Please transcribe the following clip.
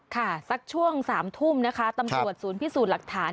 ค่ะสักช่วง๓ทุ่มนะคะตำรวจศูนย์พิสูจน์หลักฐาน